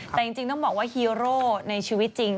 แต่จริงต้องบอกว่าฮีโร่ในชีวิตจริง